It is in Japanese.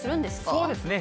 そうですね。